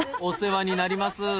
お世話になります。